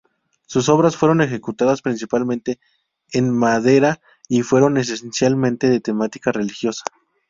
Sus obras fueron ejecutadas principalmente en madera y fueron esencialmente de temática religiosa.